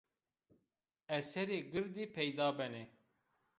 Eserê girdî peyda benê